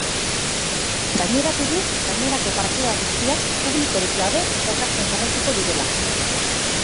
Gaineratu du, gainerako partida guztiak publikorik gabe jokatzen jarraituko direla.